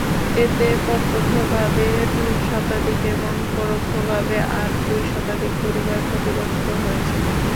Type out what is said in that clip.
এতে প্রত্যক্ষভাবে তিন শতাধিক এবং পরোক্ষভাবে আরও দুই শতাধিক পরিবার ক্ষতিগ্রস্ত হয়েছে।